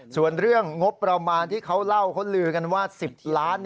ส่วนเรื่องงบประมาณที่เขาเล่าเขาลือกันว่า๑๐ล้าน